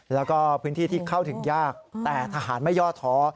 แล้วก็พื้นที่ที่เข้าถึงยากแต่ทหารไม่ย่อท้อ